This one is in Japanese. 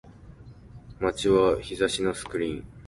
街は日差しのスクリーン